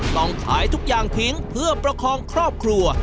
ต้องขายทุกอย่างทิ้งเพื่อประคองครอบครัว